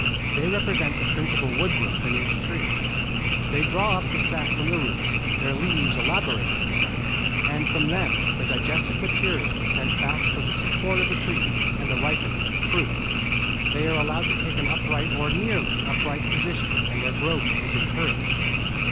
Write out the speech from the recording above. They represent the principal wood growth in each tree. They draw up the sap from the roots, their leaves elaborate this sap, and from them the digested material is sent back for the support of the tree and the ripening of the fruit. They are allowed to take an upright or nearly upright position and their growth is encouraged.